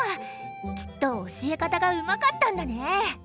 きっと教え方がうまかったんだね。